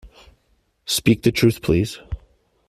Speak the truth, please!